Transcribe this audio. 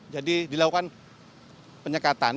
jadi dilakukan penyekatan